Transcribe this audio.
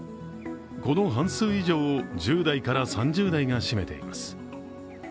この半数以上を１０代から３０代が占めています。